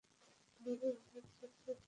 পিলারের আড়ালে চুপচাপ বসে আছে।